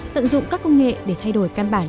tận dụng các công nghệ để thay đổi căn bản